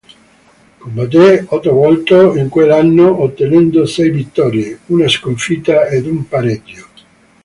Combatté otto volte in quell'anno ottenendo sei vittorie, una sconfitta ed un pareggio.